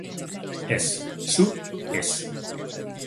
Ez, zu, ez.